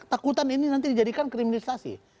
takutan ini nanti dijadikan kriminalisasi